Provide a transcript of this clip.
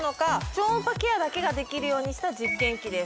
超音波ケアだけができるようにした実験機です